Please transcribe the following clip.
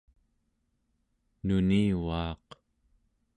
nunivaaq